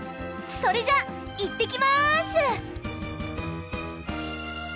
それじゃあいってきます！